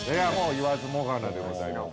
◆言わずもがなでございます。